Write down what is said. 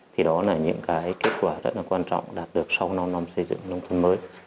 thì đó là những cái kết quả rất là quan trọng đạt được sau năm năm xây dựng nông thôn mới